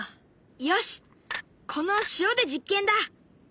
よしこの塩で実験だ。